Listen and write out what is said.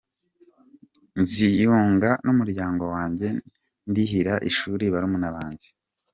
Nziyunga n’umuryango wanjye ndihira ishuri barumuna banjye.